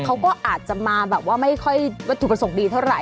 เขาก็อาจจะมาแบบว่าไม่ค่อยวัตถุประสงค์ดีเท่าไห